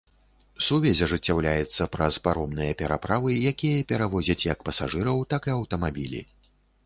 Сувязь ажыццяўляецца праз паромныя пераправы, якія перавозяць як пасажыраў, так і аўтамабілі.